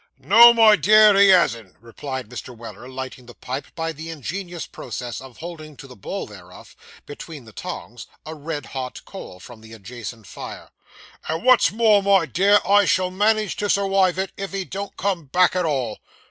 'No, my dear, he hasn't,' replied Mr. Weller, lighting the pipe by the ingenious process of holding to the bowl thereof, between the tongs, a red hot coal from the adjacent fire; and what's more, my dear, I shall manage to surwive it, if he don't come back at all.